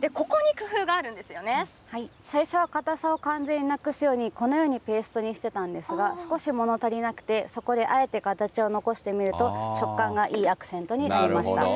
最初は固さを完全になくすように、このようにペーストにしてたんですが、少しもの足りなくて、そこであえて形を残してみると、食感がいいアクセントになりまし